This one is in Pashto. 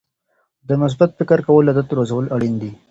د مثبت فکر کولو عادت روزل اړین دي.